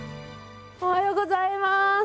おはようございます。